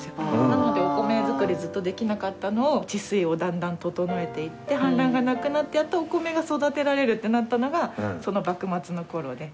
なのでお米作りずっとできなかったのを治水をだんだん整えていってはん濫がなくなってやっとお米が育てられるってなったのがその幕末の頃で。